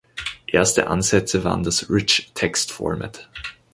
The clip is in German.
Erste Ansätze waren das Rich Text Format.